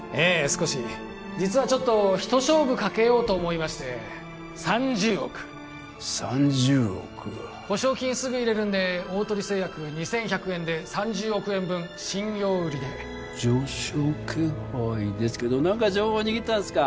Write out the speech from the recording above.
少し実はちょっとひと勝負かけようと思いまして３０億３０億保証金すぐ入れるんで大鳥製薬２１００円で３０億円分信用売りで上昇気配ですけど何か情報握ったんすか？